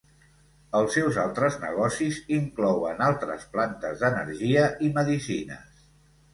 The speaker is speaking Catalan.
Els seus altres negocis inclouen altres plantes d'energia i medicines.